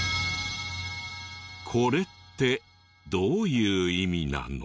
これってどういう意味なの？